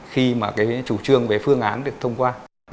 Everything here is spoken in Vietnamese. khi mà cái chủ trương về phương án được thông qua